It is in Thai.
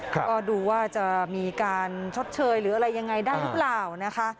ก็ดูว่าจะมีการชดเชยหรืออะไรยังไงได้หรือเปล่านะคะ